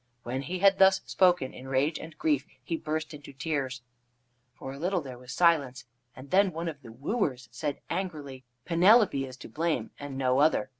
When he had thus spoken in rage and grief, he burst into tears. For a little there was silence, then one of the wooers said angrily: "Penelope is to blame, and no other.